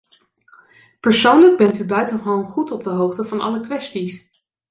Persoonlijk bent u buitengewoon goed op de hoogte van alle kwesties.